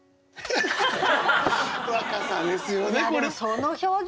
若さですよねこれ。